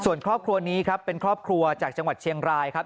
ส่วนครอบครัวนี้ครับเป็นครอบครัวจากจังหวัดเชียงรายครับ